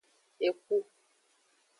Ekpu.